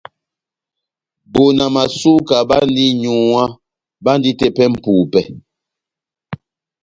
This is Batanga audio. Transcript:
Bona Masuka bandi n’nyuwá, bandi tepɛ mʼpupɛ.